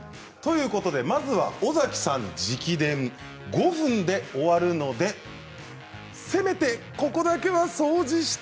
まずは尾崎さん直伝５分で終わるのでせめてここだけは掃除して。